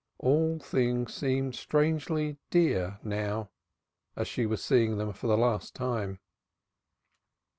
All things seemed strangely dear now she was seeing them for the last time.